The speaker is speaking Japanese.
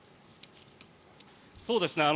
そうですね。